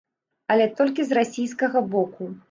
Але толькі з расійскага боку.